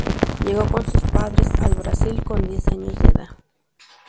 Llegó con sus padres al Brasil con diez años de edad.